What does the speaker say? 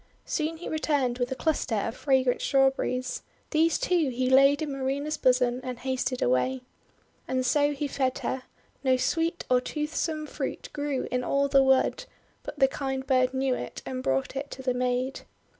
Soon he returned with a cluster of fragrant Strawberries. These, too, he laid in Marina's bosom, and hasted away. And so he fed her. No sweet or toothsome fruit grew in all the wood, but the kind bird knew it and brought it to the maid.